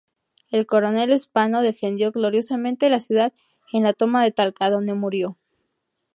El coronel Spano defendió gloriosamente la ciudad en la toma de Talca, donde murió.